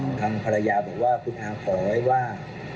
ทางภรรยาบอกว่าคุณอาขอไว้ว่า